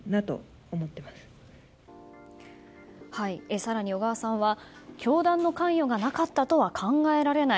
更に小川さんは教団の関与がなかったとは考えられない。